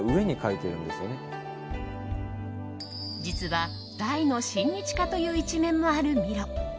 実は大の親日家という一面もあるミロ。